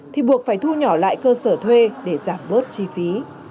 thì buộc phải thu nhỏ lại cơ sở thuê để giảm bớt chi phí